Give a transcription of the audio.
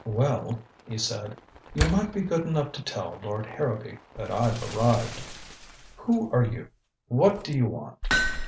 "Well," he said, "you might be good enough to tell Lord Harrowby that I've arrived." "Who are you? What do you want?"